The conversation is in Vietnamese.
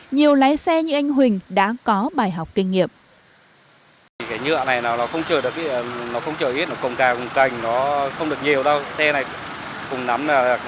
nhiều lái xe như anh huỳnh đã có bài học kinh nghiệm